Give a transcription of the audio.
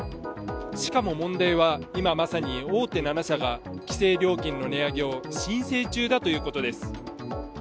しかも問題は、今、まさに大手７社が規制料金の値上げを申請中だということです。